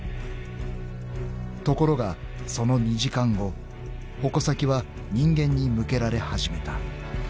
［ところがその２時間後矛先は人間に向けられ始めた］